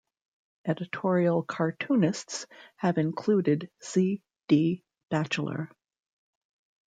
Editorial cartoonists have included C. D. Batchelor.